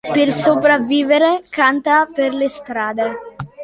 Per sopravvivere, canta per le strade.